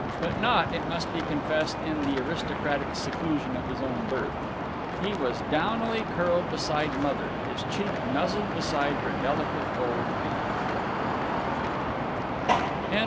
But not, it must be confessed, in the aristocratic seclusion of his own berth. He was downily curled beside Mother, his cheek nuzzled beside her delicate old hand.